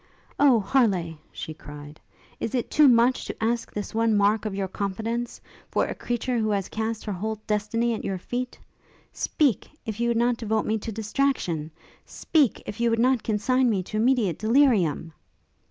'O Harleigh!' she cried, 'is it too much to ask this one mark of your confidence, for a creature who has cast her whole destiny at your feet? Speak! if you would not devote me to distraction! Speak! if you would not consign me to immediate delirium!'